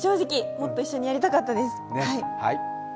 もっと一緒にやりたかったです。